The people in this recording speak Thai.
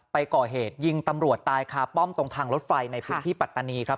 ไปก่อเหตุยิงตำรวจตายคาป้อมตรงทางรถไฟในพื้นที่ปัตตานีครับ